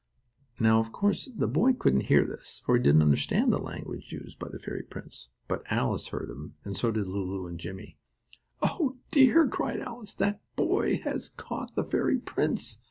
Now, of course, the boy couldn't hear this, for he didn't understand the language used by the fairy prince. But Alice heard him, and so did Lulu and Jimmie. "Oh, dear!" cried Alice. "That bad boy has caught the fairy prince!